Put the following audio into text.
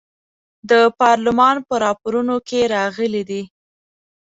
د پارلمان په راپورونو کې راغلي دي.